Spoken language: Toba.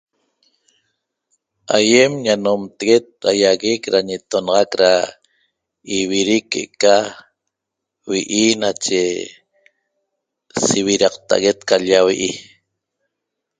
Aýem ñanomteguet da ýaguec da ñitonaxac da ividic que'eca vi'i nache sividaqtaxaguet calya vi'i